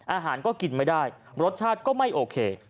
อาหารก็กินไม่ได้รสชาติก็ไม่โอเค